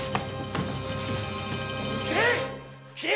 斬れ！